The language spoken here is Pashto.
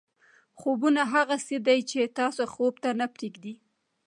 خوبونه هغه څه دي چې تاسو خوب ته نه پرېږدي.